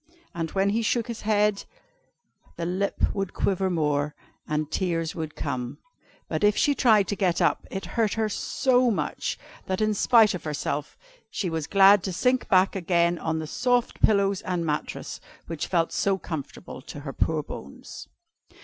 And when he shook his head, the lip would quiver more, and tears would come. But if she tried to get up, it hurt her so much, that in spite of herself she was glad to sink back again on the soft pillows and mattress, which felt so comfortable to her poor bones.